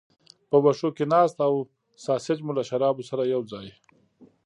په وښو کې ناست او ساسیج مو له شرابو سره یو ځای.